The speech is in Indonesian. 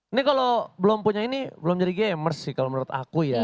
ini kalau belum punya ini belum jadi gamers sih kalau menurut aku ya